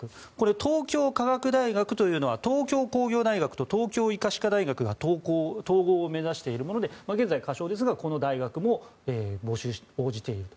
東京科学大学というのは東京工業大学と東京医科歯科大学が統合を目指しているもので現在、仮称ですがこの大学も募集に応じている。